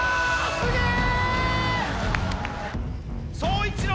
すげえ！